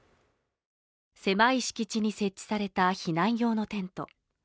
狭い敷地に設置された避難用のテント。